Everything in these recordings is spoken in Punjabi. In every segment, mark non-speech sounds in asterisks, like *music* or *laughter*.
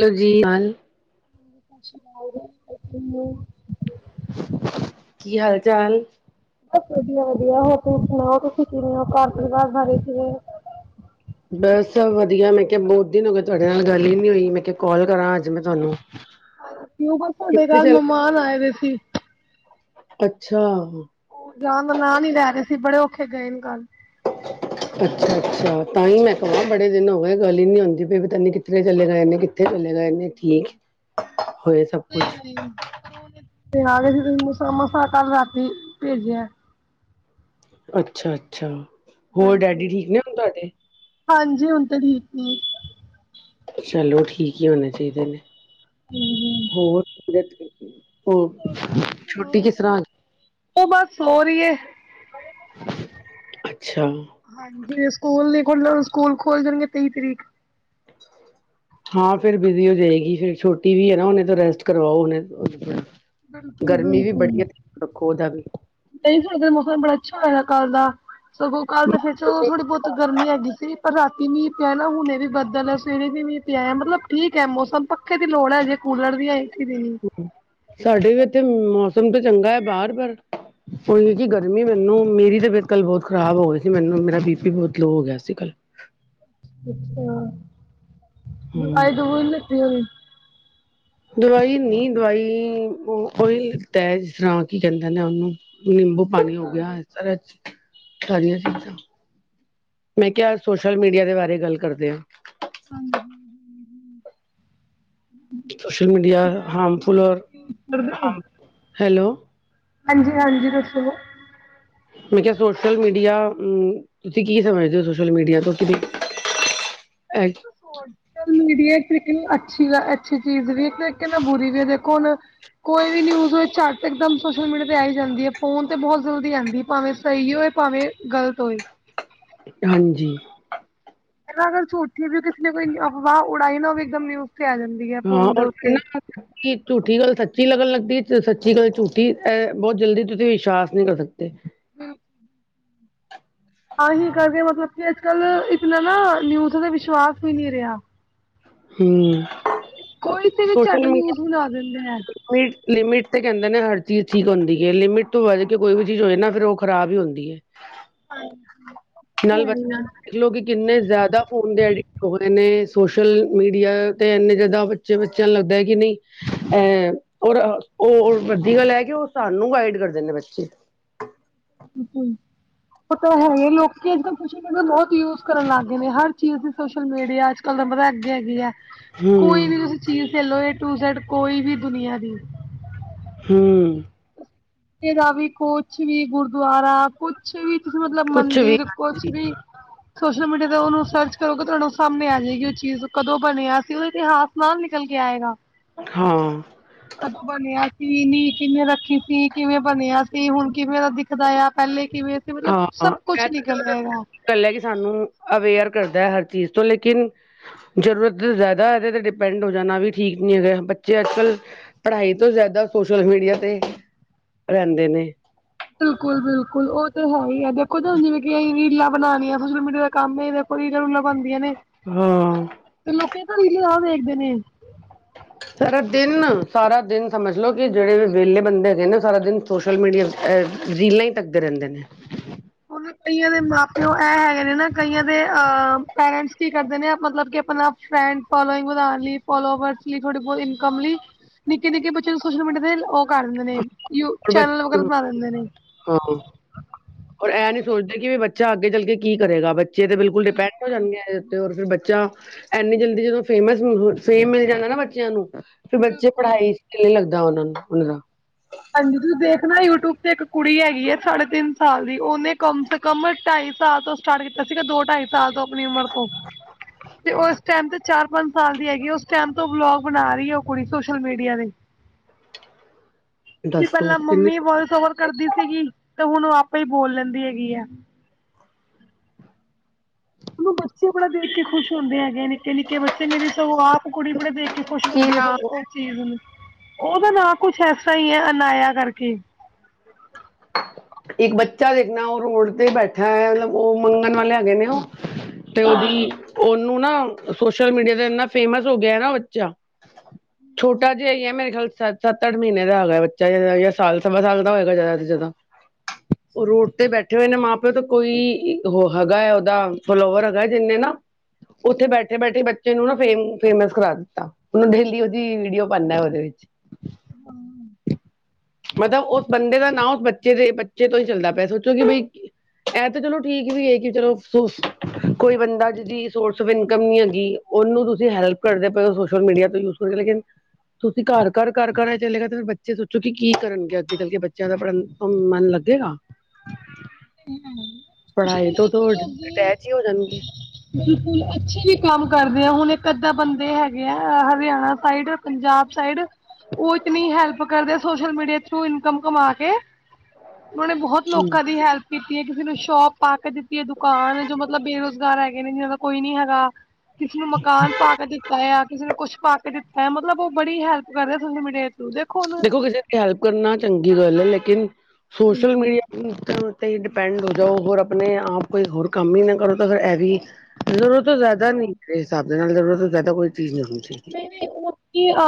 ਚੱਲੋ ਜੀ ਹਾਂ *inaudible* ਕੀ ਹਾਲ ਚਾਲ? ਬਸ ਵਧੀਆ-ਵਧੀਆ, ਹੋਰ ਤੁਸੀਂ ਸੁਣਾਓ ਤੁਸੀਂ ਕਿਵੇਂ ਔ ਘਰ-ਪਰਿਵਾਰ ਬਾਰੇ ਕਿਵੇਂ ਹੋ? ਬਸ ਵਧੀਆ ਮੈਂ ਕਿਹਾ ਬਹੁਤ ਦਿਨ ਹੋ ਗਏ ਤੁਹਾਡੇ ਨਾਲ ਗੱਲ ਈ ਨੀ ਹੋਈ ਮੈਂ ਕਿਹਾ ਕਾਲ ਕਰਾਂ ਅੱਜ ਮੈਂ ਤੁਹਾਨੂੰ। *inaudible* ਕਿਉਂ ਬਸ ਤੁਹਾਡੇ ਕਿੱਥੇ ਘਰ ਚਲੇ ਮੈਮਾਨ ਆਏ ਦੇ ਸੀ। ਅੱਛਾ, ਸਕੂਲ ਜਾਣ ਦਾ ਨਾਂ ਨੀ ਲੈ ਰਹੇ ਸੀ, ਬੜੇ ਔਖੇ ਗਏ ਨੇ ਕੱਲ੍ਹ। *inaudible* ਅੱਛਾ-ਅੱਛਾ ਤਾਂਈ ਮੈਂ ਕਹਾਂ ਬੜੇ ਦਿਨ ਹੋ ਗਏ ਗੱਲ ਹੀ ਨੀ ਹੁੰਦੀ ਪਈ ਪਤਾ ਨੀ ਕਿੱਥੇ ਚਲੇ ਗਏ ਨੇ ਕਿ ਫੇਰ ਇੱਕਲੇ ਰਹਿ ਜਾਣੇ ਨੇ, ਠੀਕ ਹੋਏ ਸਭ ਕੁਛ ਨਹੀਂ ਨਈ ਕਦੋਂ ਦੇ, ਮਸਾ- ਮਸਾ ਕੱਲ ਰਾਤੀ ਭੇਜਿਆ। ਅੱਛਾ -ਅੱਛਾ, ਹੋਰ ਹਾਂਜੀ ਡੈਡੀ ਠੀਕ ਨੇ ਹੁਣ ਤਾਡੇ? ਹਾਂਜੀ ਹੁਣ ਤੇ ਠੀਕ ਨੇ ਚਲੋ ਠੀਕ ਹੀ ਹੋਣੇ ਚਾਈਦੇ ਨੇ। ਹਮ- ਹਮ ਹੋਰ, ਤਬੀਅਤ ਠੀਕ ਨੇ, ਹੋਰ, ਛੁੱਟੀ ਕਿਸ ਤਰ੍ਹਾਂ ਹੋਈ? ਉਹ ਬਸ ਸੋ ਰਹੀ ਏ। ਅੱਛਾ ਹਾਂਜੀ ਸਕੂਲ ਨੀ ਖੁੱਲਣ, ਸਕੂਲ ਖੋਲ੍ਹ ਜਾਣਗੇ ਤੇਈ ਤਰੀਕ ਹਾਂ ਫਿਰ ਬਿਜ਼ੀ ਹੋ ਜਾਏਗੀ, ਫੇਰ ਛੋਟੀ ਵੀ ਹੈ ਨਾ, ਉਹਨੇ ਤੋਂ ਰੈਸਟ ਕਰਵਾਓ ਹੁਣੇ ਉਹਦੇ ਤੋ ਬਿਲਕੁਲ ਗਰਮੀ ਵੀ ਬੜੀ ਐ, ਧਿਆਨ ਰੱਖੋ ਉਹਦਾ ਵੀ ਨਹੀ ਸਾਡੇ ਤਾਂ ਮੌਸਮ ਬੜਾ ਅੱਛਾ ਹੋਇਆ ਕੱਲ ਦਾ, ਸਗੋਂ ਕੱਲ ਤੇ ਫੇਰ 'ਚ ਥੋੜ੍ਹੀ ਬਹੁਤ ਗਰਮੀ ਹੈਗੀ ਸੀ। ਪਰ ਰਾਤੀ ਮੀਂਹ ਪਿਆ ਨਾ ਹੁਣੇ ਵੀ ਬਦਲ, ਸਵੇਰੇ ਵੀ ਮੀਂਹ ਪਿਆ ਐ, ਮਤਲਬ ਠੀਕ ਹੈ ਮੌਸਮ ਪੱਕ ਪੱਖੇ ਦੀ ਲੋੜ ਐ, ਹਜੇ ਕੂਲਰ ਦੀ ਜਾਂ ਏਸੀ ਦੀ ਹੂੰਮ, ਸਾਡੇ ਵੀ ਇੱਥੇ ਮੌਸਮ ਤਾਂ ਚੰਗਾ ਹੈ ਬਾਹਰ ਪਰ ਉ ਜੀ ਗਰਮੀ ਮੈਨੂੰ, ਮੇਰੀ ਤਬੀਅਤ ਕੱਲ ਬਹੁਤ ਖਰਾਬ ਹੋ ਗਈ ਸੀ ਮੈਨੂੰ ਮੇਰਾ ਬੀ ਪੀ ਬਹੁਤ ਲੋ ਹੋ ਗਿਆ ਸੀ ਕੱਲ ਅੱਛਾ, ਹੂੰ ਦਵਾਈ-ਦਬੂਈ ਲਿੱਤੀ ਹੋਣੀ ਦਵਾਈ ਨੀ, ਦਵਾਈ ਉਹੀ ਲਿੱਤਾ ਹੈ, ਜਿਸ ਤਰ੍ਹਾਂ ਕੀ ਕਹਿੰਦੇ ਨੇ ਉਹਨੂੰ ਨਿੰਬੂ ਪਾਣੀ ਹੋ ਗਿਆ, ਇਸ ਤਰਾ 'ਚ ਸਾਰੀਆ ਚੀਜਾਂ, ਮੈਂ ਕਿਹਾ ਅੱਜ ਸੋਸ਼ਲ ਮੀਡੀਆ ਦੇ ਬਾਰੇ ਗੱਲ ਕਰਦੇ ਆ? ਹਾਂਜੀ। ਹਮ- ਹਮ ਸੋਸ਼ਲ ਮੀਡੀਆ ਹਾਮਫੁੱਲ ਔਰ, ਕਰਦੇ ਹੋ ਹਮ ਹੈਲੋ। ਹਾਂਜੀ, ਹਾਂਜੀ ਦੱਸੋ। ਮੈਂ ਕਿਹਾ ਸੋਸ਼ਲ ਮੀਡੀਆ ਅਮ, ਤੁਸੀਂ ਕੀ ਸਮਝਦੇ ਹੋ ਸੋਸ਼ਲ ਮੀਡੀਆ ਤੁਸੀ ਐਜ ਸੋਸ਼ਲ ਮੀਡੀਆ ਇੱਕ ਤਰੀਕੇ ਨਾਲ ਅੱਛੀ, ਅੱਛੀ ਚੀਜ਼ ਵੀ ਇੱਕ ਤਰੀਕੇ ਨਾਲ ਬੁਰੀ ਵੀ। ਦੇਖੋ ਹੁਣ ਕੋਈ ਵੀ ਨਿਊਜ਼ ਹੋਵੇ, ਝੱਟ ਇਕਦਮ ਸੋਸ਼ਲ ਮੀਡੀਆ ਤੇ ਆਈ ਜਾਂਦੀ ਏ। ਫੋਨ ਤੇ ਬਹੁਤ ਜਲਦੀ ਆਂਉਦੀ ਏ। ਭਾਵੇਂ ਸਹੀ ਹੋਵੇ ਭਾਵੇਂ ਗਲਤ ਹੋਏ। ਹਾਂਜੀ। ਹੈਨਾ ਅਗਰ ਝੂਠੀ ਵੀ ਕਿਸੇ ਨੇ ਕੋਈ ਅਫਵਾਹ ਉੜਾਈ ਨਾ, ਉਹ ਇੱਕਦਮ ਨਿਊਜ਼ ਤੇ ਆ ਜਾਂਦੀ। ਹੈ ਹਾਂ ਫੋਨ ਦੇ ਔਰ ਫੇਰ ਉੱਤੇ ਨਾ ਕਿ ਝੂਠੀ ਗੱਲ ਸੱਚੀ ਲੱਗਣ ਲੱਗਦੀ ਸੱਚੀ ਗੱਲ ਝੂਠੀ, ਐ ਬਹੁਤ ਜਲਦੀ ਤੁਸੀਂ ਵਿਸ਼ਵਾਸ ਨੀ ਕਰ ਸਕਤੇ। ਹਮ ਆਹੀ ਕਰਕੇ, ਮਤਲਬ ਕਿ ਅੱਜ-ਕੱਲ ਇਤਨਾ ਨਾ, ਨਿਊਜ਼ ਤੇ ਵਿਸ਼ਵਾਸ ਈ ਨੀ ਰਿਹਾ। ਹੂੰ ਕੋਈ ਤੇ ਵੀ ਝੱਟ ਨਿਊਜ਼ ਬਨਾ ਦਿੰਦੇ ਐੰ। ਉਹੀ, ਲਿਮਿਟ ਤੇ ਕੈਂਦੇ ਨੇ ਹਰ ਚੀਜ਼ ਠੀਕ ਹੁੰਦੀ ਏ। ਲਿਮਿਟ ਤੋਂ ਵੱਧ ਕੇ ਕੋਈ ਵੀ ਚੀਜ਼ ਹੋਏ ਨਾ, ਫੇਰ ਉਹ ਖਰਾਬ ਈ ਹੁੰਦੀ ਹੈ। ਨਾਲ ਬੱਚਿਆ ਨੂੰ ਲੋਕੀ ਕਿੰਨੇ ਜ਼ਿਆਦਾ ਫੋਨ ਦੇ ਅਡਿਕ ਹੋਏ, ਸੋਸ਼ਲ ਮੀਡੀਆ, ਤੇ ਇੰਨੇ ਜਿਆਦਾ ਬੱਚੇ-ਬੱਚਿਆਂ ਨੂੰ ਲੱਗਦਾ ਏ ਨਹੀ ਐ, ਔਰ ਉਹ ਵੱਡੀ ਗੱਲ ਏ। ਕਿ ਉਹ ਸਾਨੂੰ ਗਾਈਡ ਕਰ ਦਿੰਦੇ ਨੇ ਬੱਚੇ। ਬਿਲਕੁਲ, ਉਹ ਤਾਂ ਹੈ ਹੀ ਲੋਕੀ ਅੱਜ-ਕੱਲ ਖੁਸ਼ੀ ਨੂੰ ਬਹੁਤ ਯੂਜ ਕਰਨ ਲੱਗ ਗਏ ਨੇ, ਹਰ ਚੀਜ਼ ਦੀ ਸੋਸ਼ਲ ਮੀਡੀਆ। ਅੱਜ-ਕੱਲ ਦਾ ਪਤਾ, ਅੱਗੇ ਹੈਗੀ ਏ। ਕੋਈ ਹੂੰ ਵੀ ਤੁਸੀਂ ਚੀਜ਼ ਲੈ ਲੋ, ਏ ਟੂ ਜੇਡ ਕੋਈ ਵੀ ਦੁਨੀਆਂ ਦੀ। ਹਮ *unintelligible* ਦਾ ਵੀ ਕੁੱਛ ਵੀ ਗੁਰਦੁਆਰਾ ਕੁਛ ਕੁਛ ਵੀ ਤੁਸੀ ਮਤਲਬ ਕੁਛ ਵੀ ਮੰਦਿਰ ਕੁਛ ਹਾਂਜੀ ਵੀ ਸੋਸ਼ਲ ਮੀਡੀਆ ਤੇ ਉਨੂੰ ਸਰਚ ਕਰੋਗੇ। ਤੁਆਨੂੰ ਸਾਮ੍ਹਣੇ ਆ ਜੇਏਗੀ ਉਹ ਚੀਜ਼ ਕਦੋਂ ਬਨਿਆ ਸੀ ਉਹਦਾ ਇਤਿਹਾਸ। *unintelligible* ਨਿਕਲ ਕੇ ਆਏਗਾ। ਹੋਰ ਕਦੋਂ ਬਨਿਆ ਸੀ, ਨੀਹ ਕਿਵੇਂ ਰੱਖੀ ਸੀ, ਕਿਵੇਂ ਬਨਿਆ ਸੀ, ਹੁਣ ਕਿਵੇਂ ਦਾ ਦਿਖਦਾ ਆ। ਪਹਿਲੇ ਕਿਵੇਂ ਸੀ ਮਤਲਬ ਸਭ ਕੁੱਛ ਨਿਕਲਿਆ ਹੈਗਾ। ਹਾਲਾ ਕਿ ਸਾਨੂੰ ਅਵੇਅਰ ਕਰਦਾ ਏ ਹਰ ਚੀਜ਼ ਤੋਂ ਲੇਕਿਨ ਜ਼ਰੂਰਤ ਤੋਂ ਜ਼ਿਆਦਾ ਇਹਦੇ ਤੇ ਡਿਪੈਂਡ ਹੋ ਜਾਨਾ ਵੀ ਠੀਕ ਨੀ ਹੈਗਾ, ਬੱਚੇ ਅੱਜ-ਕੱਲ੍ਹ ਪੜ੍ਹਾਈ ਤੋਂ ਜ਼ਿਆਦਾ ਸੋਸ਼ਲ ਮੀਡੀਆ ਤੇ ਰੈਂਦੇ ਨੇ। ਬਿਲਕੁਲ, ਬਿਲਕੁਲ ਉਹ ਤਾਂ ਹੈ ਈ ਏ ਦੇਖੋ ਤਾਹਨੂੰ ਜਿਵੇਂ ਕਿ ਅਹੀ ਰੀਲ੍ਹਾ ਬਨਾਣੀਆਂ ਸੋਸ਼ਲ ਮੀਡੀਆ ਦਾ ਕੰਮ ਇਹ ਦੇਖੋ ਜੀ ਰੀਲਾ-ਰੂਲਾ ਬਨੰਦੀਆ ਨੇ। ਹਾਂ। ਤੇ ਲੋਕੀ ਤਾਂ ਵੀਡਿਓ ਆਮ ਵੇਖਦੇ ਨੇ। ਸਾਰਾ ਦਿੱਨ, ਸਾਰਾ ਦਿਨ ਸਮਝ ਲਓ ਕਿ ਜੇੜੇ ਵੀ ਵੇਲੇ ਬੰਦੇ ਹੈਗੇ ਨੇ ਸਾਰਾ ਦਿਨ ਸੋਸ਼ਲ ਮੀਡੀਆ ਅ ਰੀਲਾਂ ਈ ਤੱਕਦੇ ਰਹਿੰਦੇ ਨੇ। ਹੁਨ ਕਈਆਂ ਦੇ ਮਾਂ-ਪਿਓ ਐ ਹੈਗੇ ਨੇ ਨਾਂ ਕਈਆਂ ਦੇ ਅ ਪੇਰੈਂਟਸ ਕੀ ਕਰਦੇ ਨੇ ਮਤਲਬ ਕਿ ਅਪਨਾ ਫਰੈਂਡ ਫੋਲੋਇੰਗ ਵਦਾਣ ਲਈ ਫੋਲੋਵਰਸ ਲਈ ਥੋੜੀ ਬਹੁਤ ਇਨਕਮ ਲਈ ਨਿੱਕੇ-ਨਿੱਕੇ ਬੱਚਿਆਂ ਨੂੰ ਸੋਸ਼ਲ ਮੀਡੀਆ ਤੇ ਉਹ ਕਰ ਦਿੰਦੇ ਨੇ ਯੂ ਔਰ ਚੈਨਲ ਬੱਚੇ ਵਗੈਰਾ ਬਨਾ ਦਿੰਦੇ ਨੇ। ਹਾਂ, ਹੁਨ ਐਂ ਨੀ ਸੋਚਦੇ ਕਿ ਵੀ ਬੱਚਾ ਅੱਗੇ ਚਲ ਕੇ ਕੀ ਕਰੇਗਾ ਬੱਚੇ ਤੇ ਬਿਲਕੁਲ ਡਿਪੈਂਡ ਹੋ ਜਾਨਗੇ ਤੇ ਔਰ ਫਿਰ ਬੱਚਾ ਐਨੀ ਜਲਦੀ ਜਦੋਂ ਫੇਮਸ ਫੇਮ ਮਿਲ ਜਾਏਗਾ ਨਾ ਬੱਚਿਆਂ ਨੂੰ ਫਿਰ ਬੱਚੇ ਬਿਲਕੁਲ। ਪੜ੍ਹਾਈ ਚ ਦਿਲ ਨਹੀ ਲੱਗਦਾ ਹੂਨ ਉਨਾਂ ਦਾ ਹਾਂਜੀ, ਤੁਸੀਂ ਦੇਖਨਾ ਯੂਟਿਊਬ ਤੇ ਇੱਕ ਕੁੜੀ ਹੈਗੀ ਐਂ। ਸਾਢੇ ਤਿੰਨ ਸਾਲ ਦੀ ਉਹਨੇ ਕਮ ਸੇਮ ਕਮਰ ਢਾਈ ਸਾਲ ਤੋਂ ਸਟਾਰ ਕੀਤਾ ਸੀਗਾ, ਦੋ ਢਾਈ ਸਾਲ ਤੋਂ ਅਪਨੀ ਉਮਰ ਤੋਂ ਤੇ ਉਸ ਟਾਈਮ ਤੇ ਚਾਰ ਪੰਜ ਸਾਲ ਦੀ ਹੈਗੀ ਉਸ ਟਾਈਮ ਤੋਂ ਉਹ ਵਲੋਗ ਬਨਾ ਰਹੀ ਐ ਉਹ ਕੁੜੀ ਸੋਸ਼ਲ ਮੀਡੀਆ ਲਈ। ਵੀ ਦੱਸੋ ਪਹਿਲਾਂ ਕਿੰਨੀ ਮੰਮੀ ਵੋਇਸ ਓਵਰ ਕਰਦੀ ਸੀਗੀ ਤੇ ਹੁਨ ਆਪੇ ਹੀ ਬੋਲ ਲੈਂਦੀ ਹੈਗੀ ਐ ਉਹਨੂੰ ਬੱਚੇ ਬੜਾ ਦੇਖ ਕੇ ਖੁਸ਼ ਹੁੰਦੇ ਹੈਗੇ, ਨਿੱਕੇ ਨਿੱਕੇ ਬੱਚੇ ਮੇਰੀ ਸਗੋਂ ਆਪ ਕੁੜੀ ਬੜੇ ਦੇਖ ਕੇ ਖੁਸ਼ ਕੀ ਹੁੰਦੀ ਸੋ ਨਾ ਉਹ ਚੀਜ਼ ਨੂੰ ਉਹਦਾ ਨਾ ਕੁਛ ਐਸਾ ਹੀ ਐ ਅਨਾਇਆ ਕਰਕੇ। ਇੱਕ ਬੱਚਾ ਦੇਖਨਾ ਉਹ ਰੋਡ ਤੇ ਬੈਠਾ ਹੈ, ਮਤਲਬ ਉਹ ਮੰਗਣ ਵਾਲੇ ਹੈਗੇ ਨੇ ਉਹ ਤੇ ਉਹਦੀ ਉਹਨੂੰ ਨਾ ਸੋਸ਼ਲ ਮੀਡੀਆ ਤੇ ਇੰਨਾ ਫੇਮਸ ਹੋ ਗਿਆ ਨਾ ਬੱਚਾ *unintelligible* ਛੋਟਾ ਜਿਆ ਈ ਏ ਮੇਰੇ ਖਿਆਲ ਸੱਤ ਅੱਠ ਮਹੀਨੇ ਦਾ ਹੈਗਾ ਬੱਚਾ ਜਾ ਸਾਲ ਸਵਾ ਸਾਲ ਦਾ ਹੋਏਗਾ ਜ਼ਿਆਦਾ ਤੇ ਜਿਆਦਾ ਉਹ ਰੋਡ ਤੇ ਬੈਠੇ ਹੋਏ ਨੇ ਮਾਂ ਤਾਂ ਕੋਈ ਉਹ ਹੈਗਾ ਉਹਦਾ ਫੋਲੋਵਰ ਹੈਗਾ, ਜਿੰਨੇ ਨਾ ਉੱਥੇ ਬੈਠੇ-ਬੈਠੇ ਬੱਚੇ ਨੂੰ ਨਾ ਫੇਮ ਫੇਮਸ ਕਰਾ ਦਿੱਤਾ। ਹੂਨ ਡਹੇਲੀ ਉਹਦੀ ਵੀਡੀਓ ਪਾਉਦਾ ਉਹਦੇ ਵਿੱਚ ਹਾਂ ਮਤਲਬ ਉਸ ਬੰਦੇ ਦਾ ਨਾਂ ਉਸ ਬੱਚੇ ਦੇ ਬੱਚੇ ਤੋਂ ਹੀ ਚੱਲਦਾ ਪਿਆ ਸੋਚੋ ਕਿ ਬਈ ਇਹ ਤਾਂ ਚਲੋ ਠੀਕ ਵੀ ਹੈ ਕਿ ਚਲੋ ਸੋਸ ਕੋਈ ਬੰਦਾ ਜਿਹਦੀ ਸੋਰਸ ਇਨਕਮ ਨੀ ਹੈਗੀ। ਉਹਨੂੰ ਤੁਸੀਂ ਹੈਲਪ ਕਰਦੇ ਪਏ ਔ ਸੋਸ਼ਲ ਮੀਡੀਆ ਤੋਂ ਯੂਜ ਕਰਕੇ ਲੇਕਿਨ ਤੁਸੀਂ ਘਰ -ਘਰ, ਘਰ-ਘਰ ਆ ਚੱਲੇਗਾ ਤੇ ਫਿਰ ਬੱਚੇ ਸੋਚੋ ਕਿ ਕੀ ਕਰਨਗੇ ਅੱਗੇ ਚੱਲ ਕੇ ਬੱਚਿਆਂ ਦਾ ਪੜ੍ਹਨ ਹੂੰਨ ਮਨ ਲੱਗੇਗਾ। ਪੜ੍ਹਾਈ ਤੋਂ, ਤੋਂ ਰਿਟੈਚ ਹੀ ਹੋ ਜਾਨਗੇ। ਬਿਲਕੁਲ ਅੱਛੇ ਵੀ ਕੰਮ ਕਰਦੇ ਆ ਹੁਨ ਇੱਕ ਅੱਧਾ ਬੰਦੇ ਹੈਗੇ ਆ ਐ ਹਰਿਆਣਾ ਸਾਈਡ ਪੰਜਾਬ ਸਾਈਡ ਓ ਇਤਨੀ ਹੈਲਪ ਕਰਦੇ ਸੋਸ਼ਲ ਮੀਡੀਆ ਥਰੂ ਇਨਕਮ ਕਮਾ ਕੇ ਉਨੇ ਬਹੁਤ ਲੋਕਾਂ ਦੀ ਹੈਲਪ ਕੀਤੀ ਏ ਕਿਸੀ ਨੂੰ ਸ਼ੋਪ ਪਾ ਕੇ ਦਿੱਤੀ ਏ ਦੁਕਾਨ ਜੋ ਮਤਲਬ ਬੇਰੁਜ਼ਗਾਰ ਹੈਗੇ ਨੇ ਜਿਨਾਂ ਦਾ ਕੋਈ ਨੀ ਹੈਗਾ। ਕਿਸੀ ਨੂੰ ਮਕਾਨ ਪਾ ਕੇ ਦਿੱਤਾ ਆ, ਕਿਸੀ ਨੂੰ ਕੁਛ ਪਾ ਕੇ ਦਿੱਤਾ ਆ ਮਤਲਬ ਓ ਬੜੀ ਹੈਲਪ ਕਰ ਰੇਆ ਸੋਸ਼ਲ ਮੀਡੀਆ ਥਰੂ ਹੁਣ ਦੇਖੋ ਕਿਸੇ ਦੀ ਹੈਲਪ ਕਰਨਾ ਚੰਗੀ ਗੱਲ ਏ ਲੇਕਿਨ ਸੋਸ਼ਲ ਬਿਲਕੁਲ ਮੀਡੀਆ ਉੱਤੇ ਹੀ ਡਿਪੈਂਡ ਹੋ ਜਾਓ ਹੋਰ ਆਪਣੇ ਆਪ ਕੋਈ ਹੋਰ ਕੰਮ ਈ ਨਾ ਕਰੋ ਤਾਂ ਫੇਰ ਐ ਵੀ ਜ਼ਰੂਰਤ ਤੋਂ ਜਿਆਦਾ ਨੀ ਮੇਰੇ ਹਿਸਾਬ ਦੇ ਨਾਲ ਜ਼ਰੂਰਤ ਤੋਂ ਜਿਆਦਾ ਕੋਈ ਚੀਜ਼ ਨੀ ਹੁੰਦੀ ਐ ਗੀ। ਏ ਵੇ ਹੁਣ ਕੀ ਅ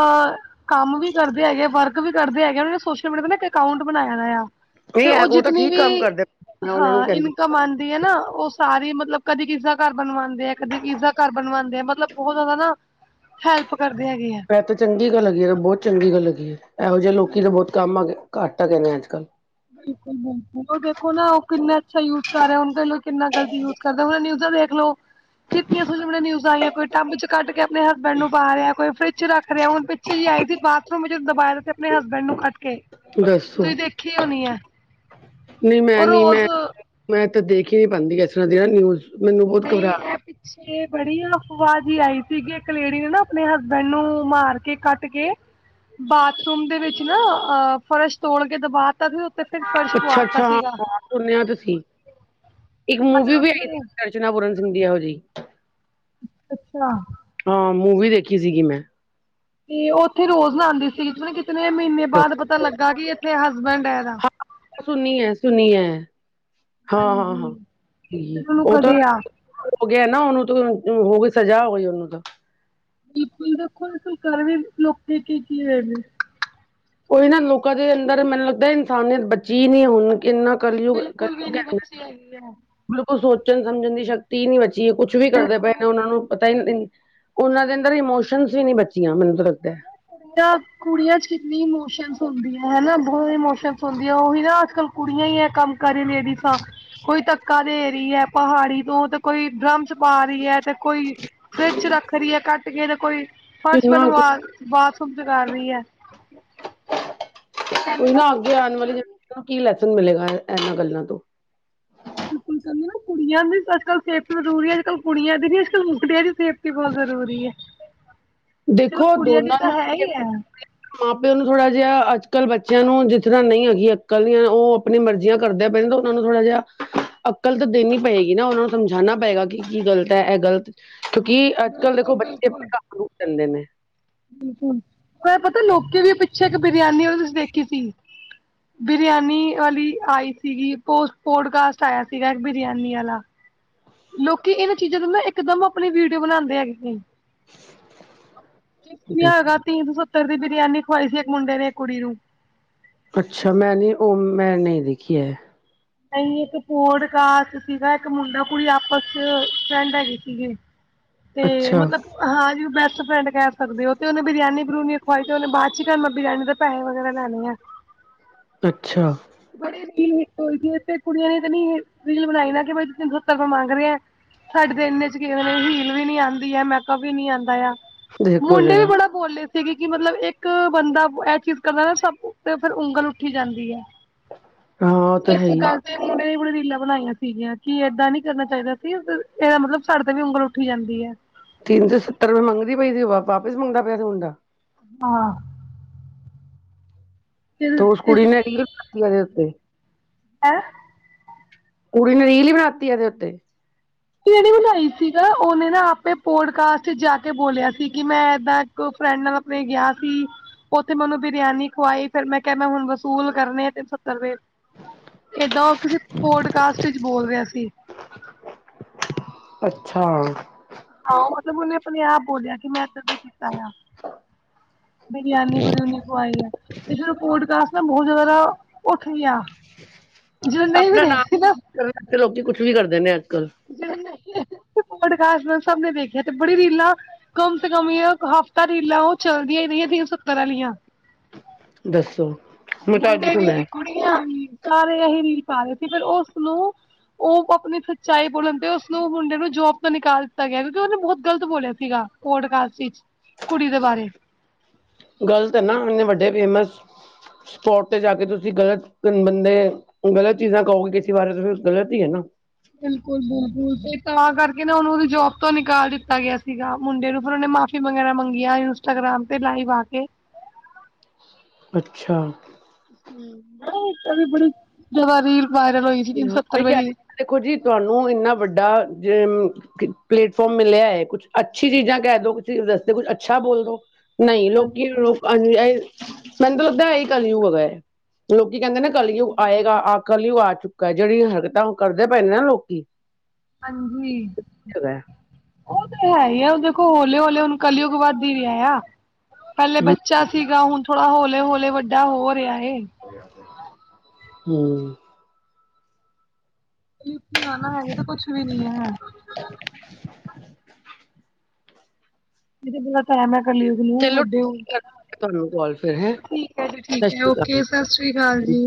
ਕੰਮ ਵੀ ਕਰਦੇ ਹੈਗੇ, ਵਰਕ ਵੀ ਕਰਦੇ ਹੈਗੇ ਉਨਾਂ ਨੇ ਸੋਸ਼ਲ ਮੀਡੀਆ ਦਾ ਨਾ ਇੱਕ ਅਕਾਊਂਟ ਬਣਾਇਆ ਦੇਆ। ਤੇ ਨਹੀਂ ਐ ਓ ਉਹ ਤਾਂ ਜਿਤਨੀ ਠੀਕ ਵੀ ਕੰਮ ਕਰਦੇ ਮੈਂ ਉਹਨਾਂ ਨੂੰ ਹਾਂ ਕਹਿੰਦੀ ਇਨਕਮ ਆਂ ਦੀ ਏ ਨਾ ਓ ਸਾਰੀ ਮਤਲਬ ਕਦੀ ਕਿਸੀ ਦਾ ਘਰ ਬਣਵਾਦੇ ਐ, ਕਦੀ ਕਿਸਦਾ ਘਰ ਬਣਵਾਦੇ ਐ ਮਤਲਬ ਬੋਹ ਜਿਆਦਾ ਨਾ ਹੈਲਪ ਕਰਦੇ ਹੈਗੇ ਹੈ। ਐ ਤੇ ਚੰਗੀ ਗੱਲ ਹੈਗੀ ਏ ਬੋ ਚੰਗੀ ਗੱਲ ਹੈਗੀ ਏ ਐਹੋ ਜੇ ਲੋਕੀ ਤਾਂ ਬੋਤ ਕੰਮ ਆ ਗੇ ਘੱਟ ਆ ਕੈਂਦੇ ਅੱਜ-ਕੱਲ। ਬਿਲਕੁੱਲ-ਬਿਲਕੁੱਲ ਓ ਦੇਖੋ ਨਾ ਓ ਕਿੰਨਾ ਅੱਛਾ ਯੂਜ ਕਰ ਰੇਆ ਹੁਣ ਦੇਲੋ ਕਿੰਨਾ ਗ਼ਲਤ ਯੂਜ ਕਰਦਾ ਨਿਊਜਾ ਵੇਖਲੋ ਕਿਤਨੀਆ ਖੁਸੀਮਨੇ ਨਿਊਜ਼ਾਂ ਆਇਆ ਕੋਈ ਟੱਬ 'ਚ ਕੱਢਕੇ ਆ ਪਣੇ ਹਸਬੈਂਡ ਨੂੰ ਪਾ ਰੇਆ, ਕੋਈ ਫਰਿਜ਼ 'ਚ ਰੱਖ ਰੇਆ ਹੁਣ ਪਿੱਛੇ ਜੀ ਆਈ ਸੀ ਬਾਥਰੂਮ ਵਿੱਚ ਦਬਾਇਆ ਤੇ ਆਪਣੇ ਹਸਬੈਂਡ ਨੂੰ ਕੱਟ ਕੇ। ਦੱਸੋ‌। ਤੁਸੀਂ ਦੇਖੀ ਹੋਣੀ ਹੈ ਨਈ ਮੈਂ ਉਹ ਨੀ ਰੋਜ਼ ਮੈਂ, ਮੈਂ ਤਾਂ ਦੇਖੀਓ ਈ ਪਾਂਦੀ ਇਸ ਤਰਾਂ ਦੀ ਨਾ ਨਿਊਜ਼ ਮੈਨੂੰ ਬਹੁਤ ਨਈ ਘਬਰਾਹਟ ਐ ਪਿ ਛੇ ਬੜੀ ਅਫਵਾ ਜੀ ਆਈ ਸੀਗੀ ਇੱਕ ਲੇਡੀ ਨੇ ਨਾ ਆਪਣੇ ਹਸਬੈਂਡ ਨੂੰ ਮਾਰ ਕੇ, ਕੱਟ ਕੇ ਬਾਥਰੂਮ ਦੇ ਵਿੱਚ ਨਾ ਅ ਫਰਸ਼ ਤੋੜ ਕੇ ਦਬਾ ਤਾਂ ਫਿਰ ਉ ਤੇ ਫਿਰ ਫਰਸ਼ ਪੁਆਤਾ ਸੀਗਾ। ਸੁਨਿਆ ਤਾਂ ਸੀ, ਇੱਕ ਅਤੇ ਮੂਵੀ ਵੀ ਆਈ ਉੱਥੇ ਸੀ ਅਰਚਨਾ ਪੂਰਨ ਸਿੰਘ ਦੀ ਇਹੋ ਜਈ। ਅੱਛਾ! ਹਾਂ ਮੂਵੀ ਦੇਖੀ ਸੀਗੀ ਮੈਂ। ਤੇ ਉੱਥੇ ਰੋਜ਼ ਨਾਂਦੀ ਸੀ ਪਤਾ ਨੀ ਕਿਤਨੇ ਮ੍ਹੀਨੇ ਬਾਅਦ ਪਤਾ ਲੱਗਾ ਕਿ ਐਥੇ ਹਸਬੈਂਡ ਐ ਦਾ। ਸੁਨੀ ਐ, ਸੁਨੀ ਐ। ਹਾਂਜੀ ਹਾਂ-ਹਾਂ-ਹਾਂ ਫਿਰ ਠੀਕ ਉਹਨੂੰ ਓ ਤਾਂ ਕਦੇ ਆ ਹੋ ਗਿਆ ਨਾ ਉਨੂੰ ਤੋਂ ਹੋਗੀ ਸਜ਼ਾ ਹੋਈ ਉਨੂੰ ਤਾਂ। ਵੇਖੋ ਲੋਕੀਂ ਕਰ ਵੀ ਲੋਕੀਂ ਕੀ-ਕੀ ਰਏ ਨੇ। ਕੋਈ ਨਾ ਲੋਕਾਂ ਦੇ ਅੰਦਰ ਮੈਨੂੰ ਲੱਗਦੈ ਇਨਸਾਨੀਅਤ ਬਚੀ ਨੀ ਹੁਣ ਕਿੰਨਾ ਕਲਯੁੱਗ, ਬਿਲਕੁਲ ਕਲਯੁੱਗ ਐ। ਬੱਚੀ ਹੈਗੀ ਆ। ਬਿਲਕੁੱਲ ਸੋਚਣ ਸਮਝਣ ਦੀ ਸ਼ਕਤੀ ਈ ਨੀ ਬਚੀ ਕੁੱਛ ਵੀ ਕਰਦੇ ਪਏ ਨੇ ਉਨਾਂ ਨੂੰ ਉਨਾਂ ਦੇ ਅੰਦਰ ਇਮੋਸ਼ਨਸ ਈ ਨੀ ਬਚੀਆਂ ਮੈਨੂੰ ਤਾਂ ਲੱਗਦਾ ਐ। ਕੁੜੀਆਂ ਕੁੜੀਆਂ 'ਚ ਕਿੰਨੀ ਇਮੋਸ਼ਨਜ ਹੁੰਦੀ ਹੈਨਾ ਬੋਹ ਇਮੋਸ਼ਨਜ ਹੁੰਦੀ ਉਹੀ ਨਾ ਅੱਜ-ਕੱਲ ਕੁੜੀਆਂ ਈ ਐ ਕੰਮ ਕਰ ਲੇਡੀਸਾ ਕੋਈ ਧੱਕਾ ਦੇ ਰੀ ਐ ਪਹਾੜੀ ਤੋਂ 'ਤੇ ਕੋਈ ਡਰਮ 'ਚ ਪਾ ਰੀ ਐ ਤੇ ਕੋਈ ਫਰਿਜ਼ 'ਚ ਰੱਖ ਰੀ ਐ ਕੱਟ ਕੇ 'ਤੇ ਕੋਈ ਫਰਸ਼ ਕਿੰਨਾ ਕੁ- ਬਣਵਾ ਬਾਥਰੂਮ ਚ ਕਰ ਰੀ ਐ, ਕੈਂਦੇ ਕੋਈ ਨਾ‌ ਨਾ ਅੱਗੇ ਆਉਣ ਵਾਲੀ ਅੱਜ-ਕੱਲ ਜਨਰੇਸ਼ਨ ਕੀ ਲੈਸਨ ਮਿਲੇਗਾ ਐਨਾਂ ਗੱਲਾਂ ਤੋਂ। *inaudible* ਕੈਂਦੇ ਨਾ ਕੁੜੀਆਂ ਦੀ ਅੱਜ-ਕਲ ਸੇਫਟੀ ਜ਼ਰੂਰੀ ਅੱਜ-ਕਲ ਕੁੜੀਆਂ ਦੀ ਨੀ ਅੱਜ-ਕਲ ਮੁੰਡਿਆਂ ਦੀ ਸੇਫਟੀ ਬੋ ਜ਼ਰੂਰੀ ਐ। ਦੇਖੋ ਦੋਨਾਂ ਨੂੰ ਹੈ ਜੇ ਹੀ ਅਸੀਂ ਹੈ ਮਾਂ ਪਿਓ ਨੂੰ ਥੋੜਾ ਜੇਆ ਅੱਜ-ਕਲ ਬੱਚਿਆਂ ਨੂੰ ਜਿਸ ਤਰਾਂ ਨਈ ਹੈਗੀ ਅੰਕਲ ਨੀ ਆ ਓ ਆਪਣੀ ਮਰਜ਼ੀਆਂ ਕਰਦਿਆਂ ਪਏ ਨੇ, ਤਾਂ ਉਹਨਾਂ ਨੂੰ ਥੋੜਾ ਜਿਹਾਂ ਅਕਲ ਤਾ ਦੇਣੀ ਪਏਗੀ ਨਾ ਉਹਨਾਂ ਨੂੰ ਸਮਝਾਣਾ ਪਏਗਾ ਕਿ ਕੀ ਗਲਤ ਐ, ਐਹ ਗ਼ਲਤ ਕਿਉਂਕਿ ਅੱਜ ਕਲ ਦੇਖੋ ਬੱਚੇ *unintelligible* ਆਪਣੇ ਨੂੰ ਦਿੰਦੇ ਨੇ। ਬਿਲਕੁਲ, ਮੈਂ ਪਤਾ ਲੋਕੀ ਵੀ ਪਿੱਛੇ ਬਰਿਆਨੀ ਆਲੀ ਉਹਦੇ ਚ ਦੇਖੀ ਸੀ। ਬਰਿਆਨੀ ਆਲੀ ਆਈ ਸੀਗੀ, ਪੋਸਟ ਪੋਡਕਾਸਟ ਆਇਆ ਸੀਗਾ ਇੱਕ ਬਰਿਆਨੀ ਆਲਾ। ਲੋਕੀ ਇਹਨਾਂ ਚੀਜ਼ਾਂ ਨੂੰ ਨਾ ਇਕਦਮ ਆਪਣੀ ਵੀਡਿਓ ਬਣਦੇ ਹੈਗੇ ਨੇ। ਨੀ ਹੈਗਾ ਤੀਨ ਸੌ ਸੱਤਰ ਦੀ ਬਰਿਆਨੀ ਖਵਾਈ ਸੀ, ਇੱਕ ਮੁੰਡੇ ਨੇ ਇੱਕ ਕੁੜੀ ਨੂੰ ਅੱਛਾ ਮੈਂ ਨੀ ਉਹ ਮੈਂ ਨਈ ਦੇਖੀ ਐ। ਨਈ ਇੱਕ ਪੋਡਕਾਸਟ ਸੀਗਾ, ਇੱਕ ਮੁੰਡਾ ਕੁੜੀ ਆਪਸ ਫਰੈਡ ਹੈਗੀ ਸੀਗੇ। *inaudible* ਤੇ ਅੱਛਾ ਮਤਲਬ। ਹਾਂ ਜਿਵੇਂ ਬੈਸਟ ਫਰੈਂਡ ਕਹਿ ਸਕਦੇ ਓ, ਤੇ ਉਹਨੇ ਬਿਰਿਆਨੀ ਬਰੂਨੀ ਖਵਾਈ ਤੇ ਉਹਨੇ ਬਾਅਦ ਚ ਕਿਆ ਮੈ ਬਰਿਆਨੀ ਦਾ ਪੈਹੈ ਵਗੈਰਾ ਲੈਣੇ ਆ। ਅੱਛਾ। ਬੜੇ *unintelligible* ਕੁੜੀਆਂ ਨੇ ਤਾਂ ਨੀ ਰੀਲ ਬਣਾਈ ਨਾ ਕਿ ਬਸੀ ਤੁਸੀਂ ਜਦੋ ਤੱਕ ਮੰਗ ਰਹੇ ਆ। ਸਾਡੇ ਤੇ ਇੰਨੇ ਚ ਕਿਹ ਹੀਲ ਵੀ ਨੀ ਆਂਦੀ ਆ, ਮੈਕਅਪ ਵੀ ਨੀ ਆਂਦਾ ਆ, ਦੇਖੋ ਮੁੰਡੇ ਵੀ ਜਰਾ ਬੜਾਂ ਬੋਲੇ ਸੀਗੇ, ਕਿ ਮਤਲਬ ਇੱਕ ਬੰਦਾ ਐਹ ਚੀਜ਼ ਕਰਦਾ ਨਾ ਸਭ ਤੇ ਫਿਰ ਉਂਗਲ ਉੱਠੀ ਜਾਂਦੀ ਐ। ਹਾਂ ਉਹ ਤਾਂ ਇੱਕ ਹੈ ਹੀ ਗੱਲ ਇਕ ਮੁੰਡੇ ਨੇ ਬੜੀ ਰੀਲਾਂ ਬਣਾਈਆਂ ਸੀਗੀਆਂ, ਕਿ ਏਦਾਂ ਨੀ ਕਰਨਾ ਚਾਹੀਦਾ ਸੀ। ਐਹ ਮਤਲਬ ਸਾਡੇ ਤੇ ਵੀ ਉਂਗਲ ਉੱਠੀ ਜਾਂਦੀ ਐ। ਤਿੰਨ ਸੌ ਸੱਤਰ ਰੁਪਏ ਮੰਗਦੀ ਪਈ ਸੀ, ਉਹ ਵਾਪਿਸ ਮੰਗਦਾ ਪਿਆ ਸੀ ਮੁੰਡਾ। ਹਾਂ। ਤੇ ਉਸ ਇਸ ਕੁੜੀ ਇਸ ਨੇ ਰੀਲ ਪਾ ਤੀ ਉਹਦੇ ਉੱਤੇ। ਹੈਅ। ਕੁੜੀ ਨੇ ਰੀਲ ਈ ਬਣਾਤੀ ਇਹਦੇ ਉੱਤੇ। *unintelligible* ਬਣਾਈ ਸੀਗਾ ਉਹਨੇ ਨਾ ਆਪੇ ਪੋਡਕਾਸਟ ਜਾ ਕੇ ਬੋਲਿਆ ਸੀ ਕਿ ਮੈਂ ਐਦਾਂ ਦੋ ਫਰੈਂਡ ਨਾਲ ਆਪਣੇ ਗਿਆ ਸੀ। ਉੱਥੇ ਮੈ ਉਹਨੂੰ ਬਿਰਿਆਨੀ ਖਵਾਈ, ਫਿਰ ਮੈਂ ਕਿਹਾ ਮੈਂ ਹੁਣ ਵਸੂਲ ਕਰਨੇ ਤਿੰਨ ਸੱਤਰ ਰੁਪਏ। ਏਦਾਂ ਓ ਕਿਸੇ ਪੋਡਕਾਸਟ ਚ ਬੋਲ ਰਿਹਾ ਸੀ। ਅੱਛਾ। ਹਾਂ ਮਤਲਬ ਉਹਨੇ ਆਪਣੇ ਆਪ ਬੋਲਿਆ ਕਿ ਮੈਂ ਤਾਂ ਬਸ ਕੀਤਾ ਹੋਇਆ। ਬਰਿਆਨੀ ਬੁਰੂਈਨੀ ਖਵਾਈ ਆ ਤੇ ਫਿਰ ਪੋਡਕਾਸਟ ਨਾ ਬਹੁਤ ਜ਼ਿਆਦਾ ਉੱਠ ਗਿਆ। ਜੋ ਨਹੀਂ ਵੀ ਦੇਖਦੇ ਨਾ। ਫ਼ੇਮ ਲੈਣ ਤੇ ਲੋਕੀ ਕੁੱਛ ਵੀ ਕਰਦੇ ਨੇ ਅੱਜ ਕੱਲ। ਜਿਹੜੇ ਨਈ ਦੇਖਦੇ ਪੌਡਕਾਸਟ ਸਬ ਨੇ ਦੇਖਿਆ, ਤੇ ਬੜੀ ਰੀਲਾਂ ਕਮ ਸੇ ਕਮ ਯਾ ਹਫ਼ਤਾ ਰੀਲਾਂ ਉਹ ਚਲਦੀਆਂ ਈ ਰਹੀਆਂ, ਤਿੰਨ ਸੋ ਸੱਤਰ ਆਲੀਆ। ਦੱਸੋ। ਮੈਂ ਤਾਂ ਅੱਜ ਮੁੰਡੇ ਵੀ ਸੁਣਿਆ ਕੁੜੀਆਂ ਵੀ ਸਾਰੇ ਇਹੀ ਰੀਲ ਪਾ ਰੇ ਸੀ, ਫੇਰ ਉਸਨੂੰ ਉਹ ਆਪਣੀ ਸੱਚਾਈ ਬੋਲਣ ਤੇ ਉਸਨੂੰ ਮੁੰਡੇ ਨੂੰ ਜੋਬ ਤੋ ਨਿਕਾਲ ਦਿੱਤਾ ਗਿਆ, ਕਿਉਂਕਿ ਉਹਨੇ ਬਹੁਤ ਗ਼ਲਤ ਬੋਲਿਆ ਸੀਗਾ। ਪੌਡਕਾਸਟ ਵਿਚ, ਕੁੜੀ ਦੇ ਬਾਰੇ। ਗਲਤ ਐ ਨਾ, ਇੰਨੇ ਵੱਡੇ ਫੇਮਸ ਸਪੋਟ ਤੇ ਜਾ ਕੇ ਤੁਸੀਂ ਗਲਤ ਬੰਦੇ ਗਲਤ ਚੀਜ਼ਾਂ ਕਹੋਗੇ ਕਿਸੇ ਬਾਰੇ, ਤੇ ਫਿਰ ਗਲਤ ਈ ਆ ਨਾ। ਬਿਲਕੁਲ- ਬਿਲਕੁਲ ਤੇ ਤਾਂ ਕਰਕੇ ਨਾ ਉਹਨੂੰ ਉਹਦੀ ਜੋਬ ਤੋਂ ਨਿਕਾਲ ਦਿੱਤਾ ਗਿਆ ਸੀਗਾ, ਮੁੰਡੇ ਨੂੰ ਫਿਰ ਉਹਨੇ ਮਾਫ -ਫੀ ਵਗ਼ੈਰਾ ਮੰਗੀਆਂ, ਇੰਸਟਾਗ੍ਰਾਮ ਤੇ ਲਾਈਵ ਆ ਕੇ। ਅੱਛਾ। ਹੂੰ, ਪਤਾਂ ਇੱਕ ਓਵੀ ਬੜੀ ਜਿਆਦਾ ਰੀਲ ਵਾਇਰਲ ਹੋਈ। ਸੀ ਤਿੰਨ ਸੌ ਸੱਤਰ ਉਹੀ ਰੁਪਏ ਕਹਿ ਦੀ ਰਈ, ਦੇਖੋ ਜੀ ਤੁਹਾਨੂੰ ਇੰਨਾ ਵੱਡਾ ਜੇ ਮ ਪਲੇਟਫੋਮ ਮਿਲਿਆ ਏ ਕੁੱਛ ਅੱਛੀ ਚੀਜ਼ਾਂ ਕੈ ਦੋ ਕੁਛ ਵਸਦੇ ਕੁੱਛ ਅੱਛਾ ਬੋਲ ਦੋ ਨਈ ਲੋਕੀ ਹਾਂਜੀ ਐਈ ਮੈਨੂੰ ਤਾਂ ਲੱਗਦਾ ਐਈ ਕਲਯੁਗ ਐਗਾ ਲੋਕੀ ਕੈਂਦੇ ਨਾ ਕਲਯੁਗ ਆਏਗਾ ਅ ਕਲਯੁਗ ਆ ਚੁੱਕਾ ਜੇੜੀ ਹਰਕਤਾਂ ਕਰਦੇ ਪਏ ਨੇ ਨਾ ਲੋਕੀ ਅੰਜੀ ਹੈਗਾ ਓ ਤੇ ਹੈਈ ਐ ਓ ਦੇਖੋ ਹੌਲੇ ਹੌਲੇ ਹੁਨ ਕਲਯੁਗ ਵੱਦ ਈ ਰਿਆ ਆ। ਪੈਲੇ ਬੱਚਾ ਸੀਗਾ ਹੁਨ ਥੋੜਾ ਹੌਲੇ-ਹੌਲੇ ਵੱਡਾ ਹੋ ਰਿਆ ਏ। ਹੂੰ ਤੁਸੀਂ ਓਥੇ ਆਨਾ ਹੈਗੇ ਤਾਂ ਕੁਛ ਵੀ ਨੀ ਐ। *inaudible* ਏ ਤੇ ਬੜਾ ਟੈਮ ਏ ਕਲਯੁਗ ਨੂੰ ਚਲੋ ਵੱਡੇ ਹੋਨ ਠੀਕ ਹੈ, ਤੁਹਾਨੂੰ ਕਾਲ ਫਿਰ ਹੈ *unintelligible* ਠੀਕ ਐ ਜੀ ਸਤਿ ਠੀਕ ਐ ਸ਼੍ਰੀ ਅਕਾਲ ਓਕੇ ਸਾਸਰੀ ਕਾਲ ਜੀ।